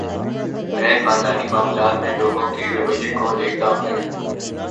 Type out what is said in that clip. میں خاندانی معاملات میں لوگوں کے رویے کو دیکھتا ہوں۔